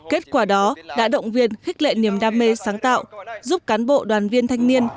kết quả đó đã động viên khích lệ niềm đam mê sáng tạo giúp cán bộ đoàn viên thanh niên